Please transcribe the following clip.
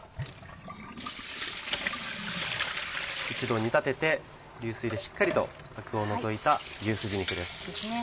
一度煮立てて流水でしっかりとアクを除いた牛すじ肉です。